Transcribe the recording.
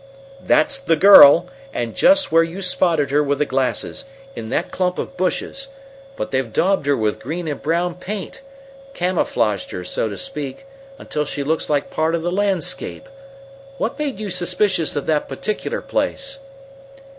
"That's the girl, and just where you spotted her with the glasses in that clump of bushes. But they've daubed her with green and brown paint camouflaged her, so to speak until she looks like part of the landscape. What made you suspicious of that particular place?"